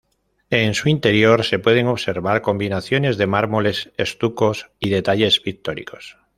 En su interior se pueden observar combinaciones de mármoles, estucos y detalles pictóricos.